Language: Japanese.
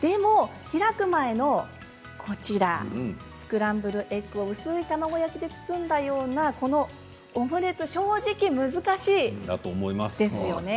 でも、開く前のこちらスクランブルエッグを薄い卵焼きで包んだようなこのオムレツ、正直難しいですよね。